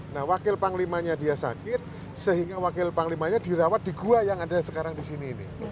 nah wakil panglimanya dia sakit sehingga wakil panglimanya dirawat di gua yang ada sekarang di sini ini